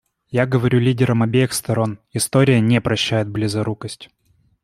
Я говорю лидерам обеих сторон: история не прощает близорукость.